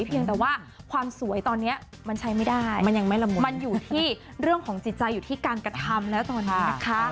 เพียงแต่ว่าความสวยตอนนี้มันใช้ไม่ได้มันยังไม่ละหมดมันอยู่ที่เรื่องของจิตใจอยู่ที่การกระทำแล้วตอนนี้นะคะ